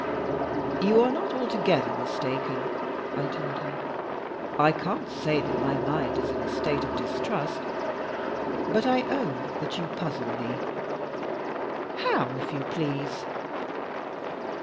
"You are not altogether mistaken," I told her. "I can't say that my mind is in a state of distrust, but I own that you puzzle me." "How, if you please?"